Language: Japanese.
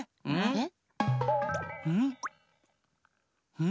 えっ？